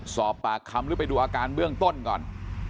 สอบปากคำหรือไปดูอาการเบื้องต้นก่อน